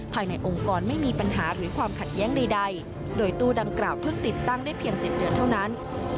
ภายในองค์กรไม่มีปัญหาหรือความขัดแย้งใดโดยตู้ดังกล่าวเพิ่งติดตั้งได้เพียง๗เดือนเท่านั้น